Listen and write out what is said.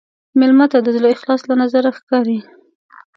مېلمه ته د زړه اخلاص له نظره ښکاري.